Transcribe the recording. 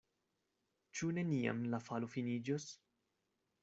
Ĉu neniam la falo finiĝos?